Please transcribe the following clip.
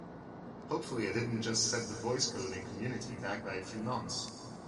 Hopefully I didn't just set the voice coding community back by a few months!